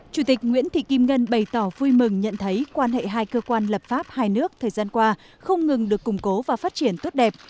chủ tịch nguyễn thị kim ngân bày tỏ vui mừng nhận thấy quan hệ hai cơ quan lập pháp hai nước thời gian qua không ngừng được củng cố và phát triển tốt đẹp